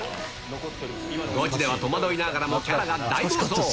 ゴチでは戸惑いながらも、キャラが大暴走。